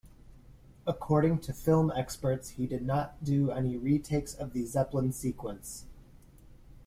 According to film experts, he did not do any retakes of the Zeppelin sequence.